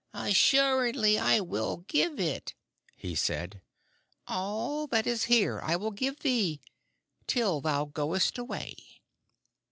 "Assuredly I will give it," he said. "All that is here I will give thee till thou goest away."